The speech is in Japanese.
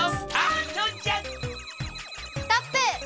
ストップ！